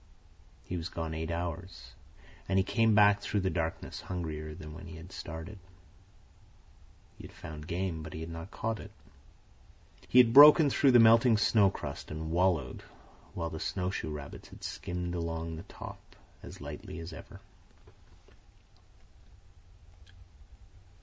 He was gone eight hours, and he came back through the darkness hungrier than when he had started. He had found game, but he had not caught it. He had broken through the melting snow crust, and wallowed, while the snowshoe rabbits had skimmed along on top lightly as ever.